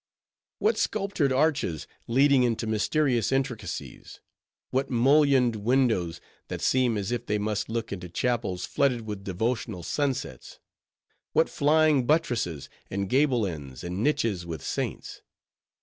What sculptured arches, leading into mysterious intricacies!—what mullioned windows, that seem as if they must look into chapels flooded with devotional sunsets!—what flying buttresses, and gable ends, and niches with saints!